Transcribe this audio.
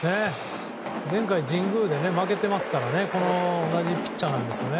前回、神宮で負けているので同じピッチャーなんですよね。